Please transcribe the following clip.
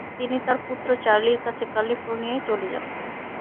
তিনি তার পুত্র চার্লির কাছে ক্যালিফোর্নিয়ায় চলে যান।